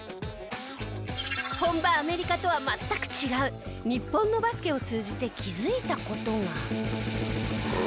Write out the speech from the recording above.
本場アメリカとは全く違う日本のバスケを通じて気づいた事が。